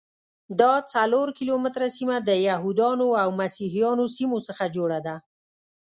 دا څلور کیلومتره سیمه د یهودانو او مسیحیانو سیمو څخه جوړه ده.